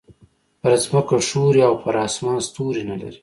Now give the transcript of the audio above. پر ځمکه ښوری او پر اسمان ستوری نه لري.